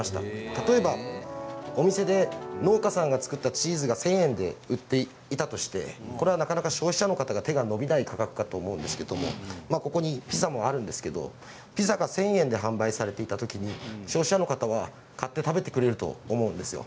例えばお店で農家さんが作ったチーズが１０００円で売っていたとしてこれはなかなか消費者の方が手が伸びない価格だと思うんですけど、ここにピザもあるんですけどピザが１０００円で販売されていたときに消費者の方は買って食べてくれると思うんですよ。